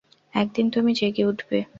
একদিন তুমি জেগে উঠবে।